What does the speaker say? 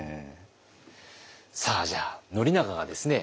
さあじゃあ宣長がですね